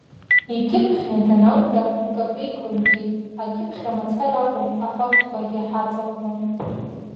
Икьыԥхьны даналга, капеик лымгеит, акьыԥхьра мацара акәым, афактқәагьы ҳаҵалҳәон.